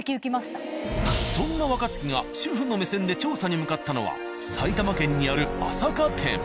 そんな若槻が主婦の目線で調査に向かったのは埼玉県にある朝霞店。